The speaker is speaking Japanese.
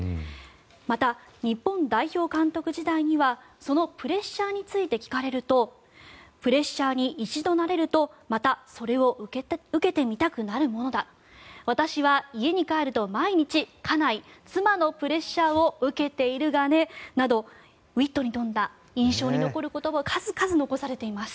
また、日本代表監督時代にはそのプレッシャーについて聞かれるとプレッシャーに一度慣れるとまたそれを受けてみたくなるものだ私は家に帰ると毎日、家内、妻のプレッシャーを受けているがねなどウィットに富んだ印象に残る言葉を数々残されています。